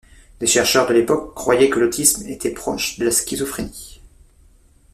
Des chercheurs de l'époque croyaient que l'autisme était proche de la schizophrénie.